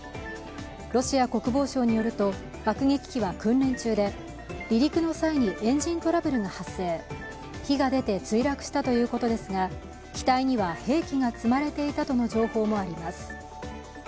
ロシア国防省によると爆撃機は訓練中で離陸の際にエンジントラブルが発生、火が出て墜落したということですが機体には兵器が積まれていたとの情報もあります。